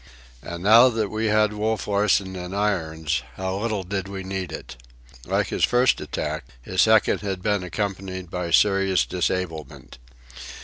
And now that we had Wolf Larsen in irons, how little did we need it! Like his first attack, his second had been accompanied by serious disablement.